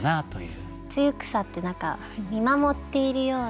つゆくさって何か見守っているようなね。